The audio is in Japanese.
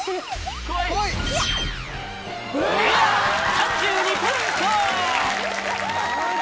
３２ポイント